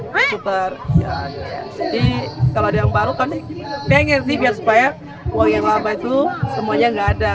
jadi kalau ada yang baru kan pengen sih biar supaya uang yang lama itu semuanya gak ada